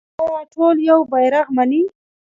آیا ټول یو بیرغ مني؟